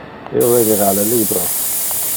Io legera le libro.